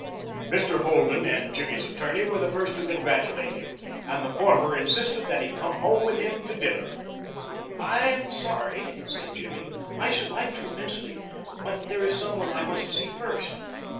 Mr. Holden and Jimmy's attorney were the first to congratulate him, and the former insisted that he come home with him to dinner. "I am sorry," said Jimmy; "I should like to immensely, but there is some one I must see first.